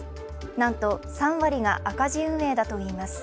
なんと、３割が赤字運営だといいます。